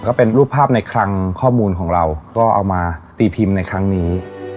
ก็เป็นรูปภาพในคลังข้อมูลของเราก็เอามาตีพิมพ์ในครั้งนี้